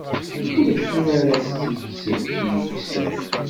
Ulac win ara s-tt-yekksen.